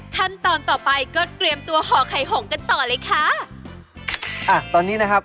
ขั้นตอนต่อไปก็เตรียมตัวห่อไข่หงกันต่อเลยค่ะอ่ะตอนนี้นะครับ